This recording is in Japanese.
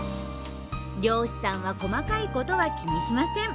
漁師さんは細かいことは気にしません。